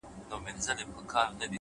هره تجربه د ژوند نوی رنګ لري’